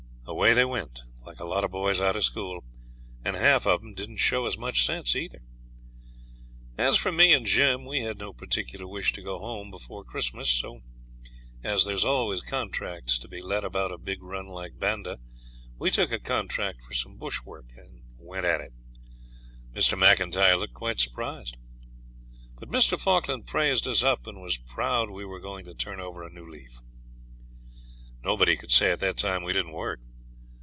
Away they went, like a lot of boys out of school; and half of 'em didn't show as much sense either. As for me and Jim we had no particular wish to go home before Christmas. So as there's always contracts to be let about a big run like Banda we took a contract for some bush work, and went at it. Mr. M'Intyre looked quite surprised. But Mr. Falkland praised us up, and was proud we were going to turn over a new leaf. Nobody could say at that time we didn't work.